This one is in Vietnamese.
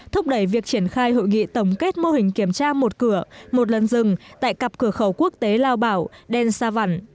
thúc đẩy việc triển khai hội nghị tổng kết mô hình kiểm tra một cửa một lần rừng tại cặp cửa khẩu quốc tế lao bảo đen sa văn